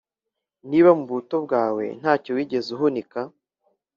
Niba mu buto bwawe nta cyo wigeze uhunika,